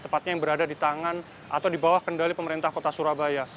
tepatnya yang berada di tangan atau di bawah kendali pemerintah kota surabaya